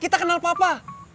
kita kenal papa